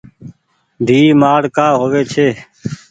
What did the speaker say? ديئي مآڙ ڪآ هووي ڇي۔